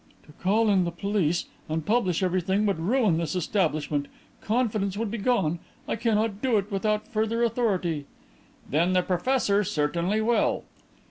"To call in the police and publish everything would ruin this establishment confidence would be gone. I cannot do it without further authority." "Then the professor certainly will."